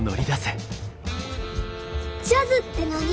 ジャズって何？